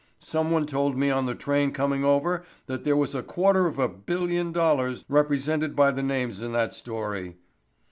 Someone told me on the train coming over that there was a quarter of a billion dollars represented by the names in that story."